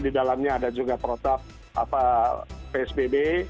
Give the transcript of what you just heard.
di dalamnya ada juga protap psbb